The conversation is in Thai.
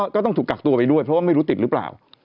ก็ต้องถูกกักตัวไปด้วยเพราะว่าไม่รู้ติดหรือเปล่า